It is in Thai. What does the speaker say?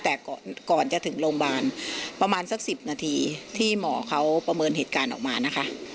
แต่ก่อนจะถึงโรงพยาบาลประมาณสัก๑๐นาทีที่หมอเขาประเมินเหตุการณ์ออกมานะคะ